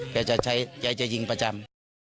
แกจะใช้แกจะยิงประจำ